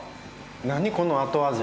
何この後味。